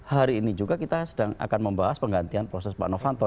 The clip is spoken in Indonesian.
hari ini juga kita sedang akan membahas penggantian proses pak novanto